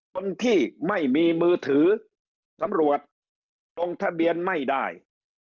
คนที่ไม่มีมือถือสำรวจลงทะเบียนไม่ได้